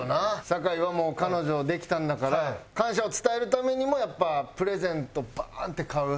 坂井はもう彼女できたんだから感謝を伝えるためにもやっぱプレゼントバーンって買う。